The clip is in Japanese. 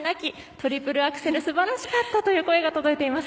トリプルアクセル素晴らしかったという声が届いています。